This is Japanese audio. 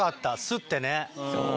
すってね。